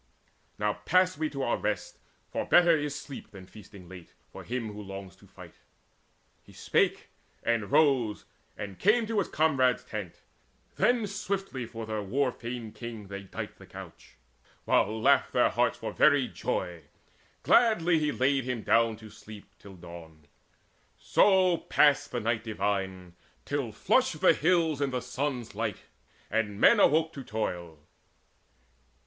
Now pass we to our rest; for better is sleep Than feasting late, for him who longs to fight." He spake, and rose, and came to his comrades' tent; Then swiftly for their war fain king they dight The couch, while laughed their hearts for very joy. Gladly he laid him down to sleep till dawn. So passed the night divine, till flushed the hills In the sun's light, and men awoke to toil.